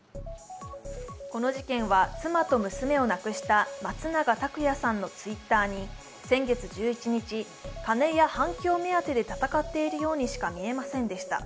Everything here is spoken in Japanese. この事件は妻と娘を亡くした松永拓也さんのＴｗｉｔｔｅｒに先月１１日、金や反響目当てで戦っているようにしか見えませんでした